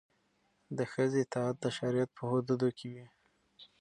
د ښځې اطاعت د شریعت په حدودو کې وي.